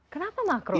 kenapa makruh pak gey